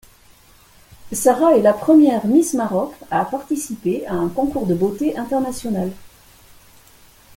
Sara est la première Miss Maroc à participer à un concours de beauté international.